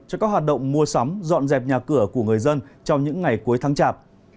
cho các hoạt động mua sắm dọn dẹp nhà cửa của người dân trong những ngày cuối tháng chạp